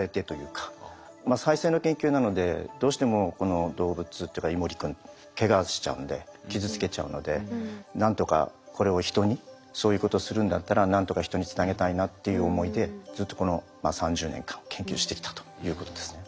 再生の研究なのでどうしてもこの動物っていうかイモリ君ケガしちゃうんで傷つけちゃうので何とかこれを人にそういうことするんだったら何とか人につなげたいなっていう思いでずっとこの３０年間研究してきたということです。